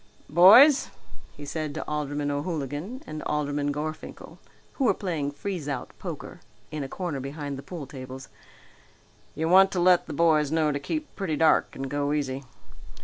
"Boys," he said to Alderman O'Hooligan and Alderman Gorfinkel, who were playing freeze out poker in a corner behind the pool tables, "you want to let the boys know to keep pretty dark and go easy.